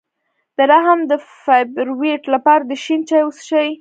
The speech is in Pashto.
د رحم د فایبرویډ لپاره د شین چای وڅښئ